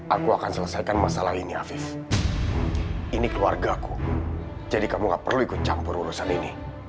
aku akan selesaikan masalah ini afif ini keluargaku jadi kamu gak perlu ikut campur urusan ini